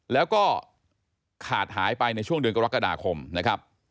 แล้วก็ขาดหายไปในช่วงเดือนกรกฎาคมนะครับ